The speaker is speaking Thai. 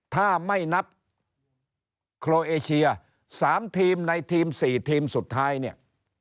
ถ้าไม่นับโครเอเชีย๓ทีมในทีม๔ทีมสุดท้ายเนี่ย